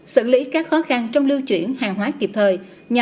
xử lý các khó khăn trong lưu chuyển hàng hóa kịp thời